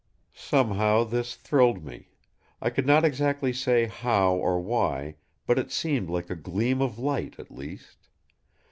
Somehow this thrilled me. I could not exactly say how or why; but it seemed like a gleam of light at last.